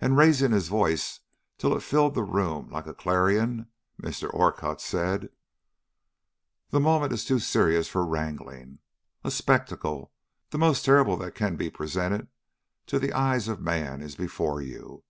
And raising his voice till it filled the room like a clarion, Mr. Orcutt said: "The moment is too serious for wrangling. A spectacle, the most terrible that can be presented to the eyes of man, is before you.